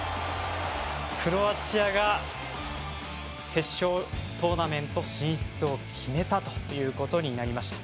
クロアチアが決勝トーナメント進出を決めたということになりました。